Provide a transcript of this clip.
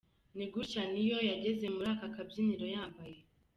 Ni gutya Ne-Yo yageze muri aka kabyiniro yambaye.